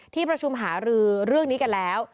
ที่ประชุมหารือเรื่องนี้กันแล้ว